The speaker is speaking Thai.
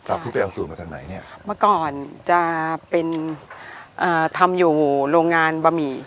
ผู้ไปเอาสูตรมาจากไหนเนี่ยเมื่อก่อนจะเป็นอ่าทำอยู่โรงงานบะหมี่